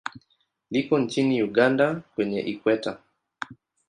Liko nchini Uganda kwenye Ikweta.